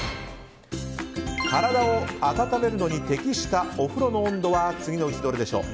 体を温めるのに適したお風呂の温度は次のどれでしょう。